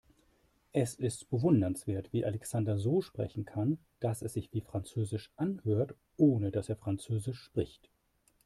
Es ist bewundernswert, wie Alexander so sprechen kann, dass es sich wie französisch anhört, ohne dass er französisch spricht.